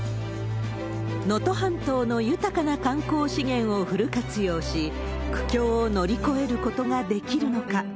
能登半島の豊かな観光資源をフル活用し、苦境を乗り越えることができるのか。